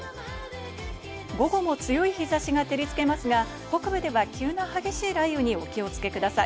午後も強い日差しが照りつけますが北部では急な激しい雷雨にお気をつけください。